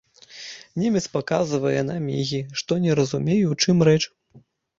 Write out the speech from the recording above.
Немец паказвае на мігі, што не разумее, у чым рэч.